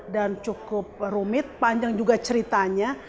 dan cukup rumit panjang juga ceritanya